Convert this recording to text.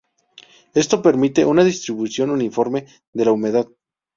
Esto permite una distribución uniforme de la humedad.